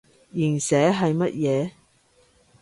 鹽蛇係乜嘢？